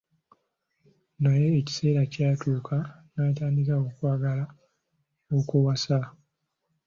Naye ekiseera kyatuuka n'atandika okwagala okuwasa.